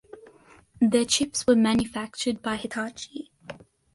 Their chips were manufactured by Hitachi.